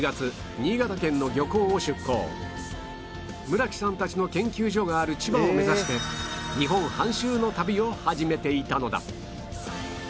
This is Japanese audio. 村木さんたちの研究所がある千葉を目指して日本半周の旅を始めていたのだ